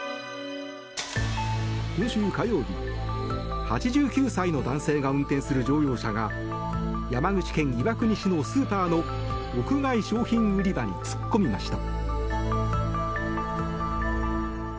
今週火曜日８９歳の男性が運転する乗用車が山口県岩国市のスーパーの屋外商品売り場に突っ込みました。